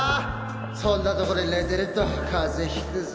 そんなとこで寝てると風邪ひくぞ。